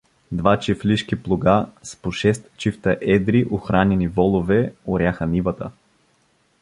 Два чифлишки плуга с по шест чифта едри, охранени волове оряха нивата.